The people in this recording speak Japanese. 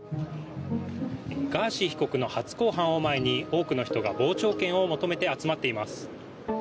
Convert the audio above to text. ガーシー被告の初公判を前に多くの人が傍聴券を求めて集まっています。